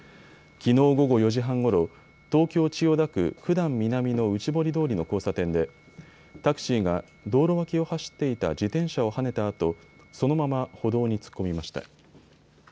きのう午後４時半ごろ、東京千代田区九段南の内堀通りの交差点でタクシーが道路脇を走っていた自転車をはねたあとそのまま歩道に突っ込みました。